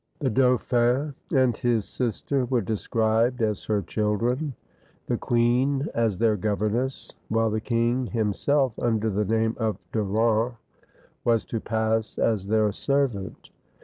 The dauphin 294 THE FLIGHT OF LOUIS XVI and his sister were described as her children, the queen as their governess; while the king, himself, under the name of Durand, was to pass as their servant.